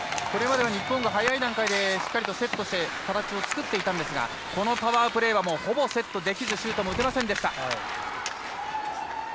これまでの日本は早い段階でセットして形を作っていたんですがこのパワープレーはほぼセットできずシュート打てませんでした。